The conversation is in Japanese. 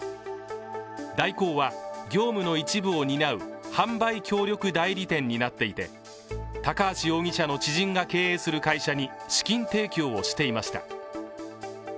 大広は、業務の一部を担う販売協力代理店になっていて高橋容疑者の知人が経営する会社に資金提供をしていました。